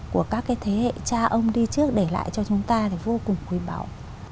của các thế hệ cha ông đi trước để lại cho chúng ta là vô cùng quý báu